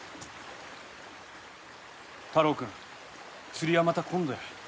太郎くん釣りはまた今度や。